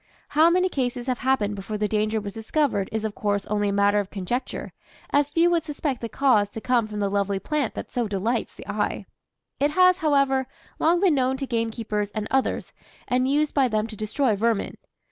How many cases have happened before the danger was discovered is of course only a matter of conjecture, as few would suspect the cause to come from the lovely plant that so delights the eye. It has, however, long been known to gamekeepers and others, and used by them to destroy "vermin."